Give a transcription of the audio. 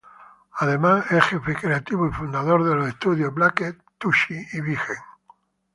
Es, además, jefe creativo y fundador de los estudios Blacked, Tushy y Vixen.